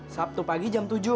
sabtu pagi jam tujuh